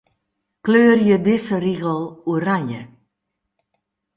Kleurje dizze rigel oranje.